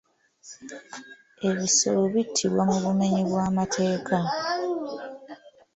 Ebisolo bittibwa mu bumenyi bw'amateeka.